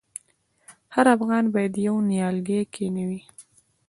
هر افغان باید یو نیالګی کینوي؟